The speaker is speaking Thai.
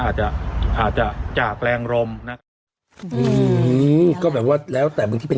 อาจจะอาจจะจากแรงลมนะครับอืมก็แบบว่าแล้วแต่มึงที่เป็น